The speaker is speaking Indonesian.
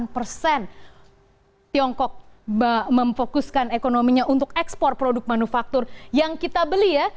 delapan persen tiongkok memfokuskan ekonominya untuk ekspor produk manufaktur yang kita beli ya